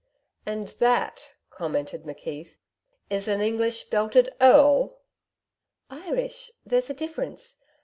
'And that,' commented McKeith, 'is an English belted Earl!' 'Irish there's a difference.